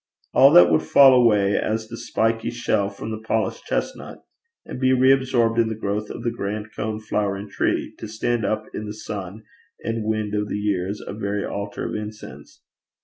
All that would fall away as the spiky shell from the polished chestnut, and be reabsorbed in the growth of the grand cone flowering tree, to stand up in the sun and wind of the years a very altar of incense.